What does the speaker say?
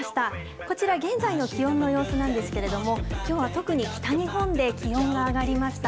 こちら、現在の気温の様子なんですけれども、きょうは特に北日本で気温が上がりました。